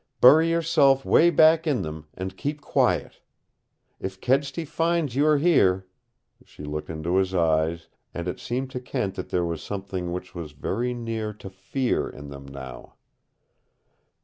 Bury yourself way back in them, and keep quiet. If Kedsty finds you are here " She looked into his eyes, and it seemed to Kent that there was something which was very near to fear in them now.